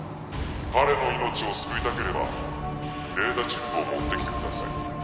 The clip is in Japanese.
彼の命を救いたければデータチップを持ってきてください